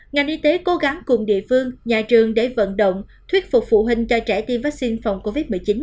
ngành y tế cố gắng cùng địa phương nhà trường để vận động thuyết phục phụ huynh cho trẻ tiêm vaccine phòng covid một mươi chín